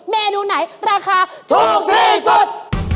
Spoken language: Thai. เมนูไหนราคาถูกที่สุด